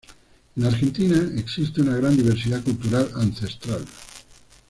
En Argentina existe una gran diversidad cultural ancestral.